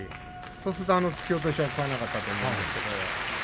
そうするとあの突き落としは食わなかったと思います。